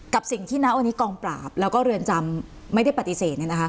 กับสิ่งที่ณวันนี้กองปราบแล้วก็เรือนจำไม่ได้ปฏิเสธ